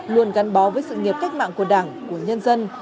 luôn gắn bó với sự nghiệp cách mạng của đảng của nhân dân